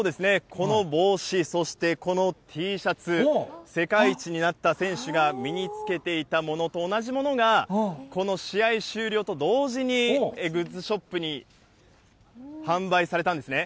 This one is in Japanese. この帽子、そしてこのＴシャツ、世界一になった選手が身に着けていたものと同じものが、この試合終了と同時に、グッズショップに販売されたんですね。